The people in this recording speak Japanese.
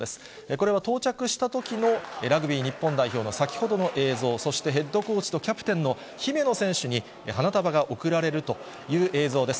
これは到着したときの、ラグビー日本代表の先ほどの映像、そしてヘッドコーチとキャプテンの姫野選手に花束が贈られるという映像です。